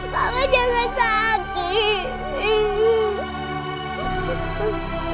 papa jangan sakit